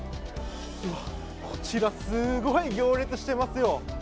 こちら、すごい行列してますよ。